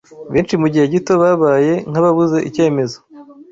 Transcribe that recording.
Benshi mu gihe gito babaye nk’ababuze icyemezo